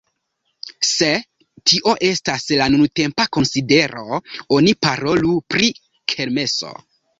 Se tio estas la nuntempa konsidero oni parolu pri kermeso.